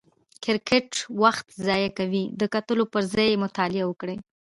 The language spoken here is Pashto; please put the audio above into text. کرکټ وخت ضایع کوي، د کتلو پر ځای یې مطالعه وکړئ!